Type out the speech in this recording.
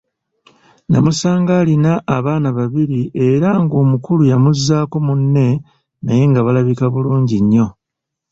Namusanga alina abaana babiri era ng'omukulu yamuzzaako mangu munne naye nga balabika bulungi nnyo.